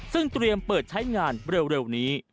ซึ่งเตรียมเปิดใช้งานเร็วนี้